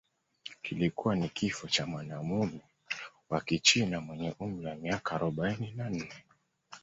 kilikuwa ni kifo cha mwanamume wa Kichina mwenye umri wa miaka arobaini na nne